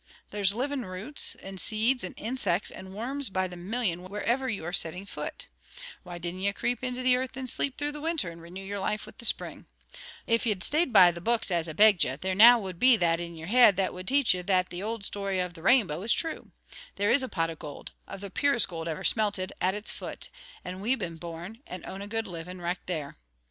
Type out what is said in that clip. There's living roots, and seeds, and insects, and worms by the million wherever ye are setting foot. Why dinna ye creep into the earth and sleep through the winter, and renew your life with the spring? The trouble with ye, Jimmy, is that ye've always followed your heels. If ye'd stayed by the books, as I begged ye, there now would be that in your heid that would teach ye that the old story of the Rainbow is true. There is a pot of gold, of the purest gold ever smelted, at its foot, and we've been born, and own a good living richt there.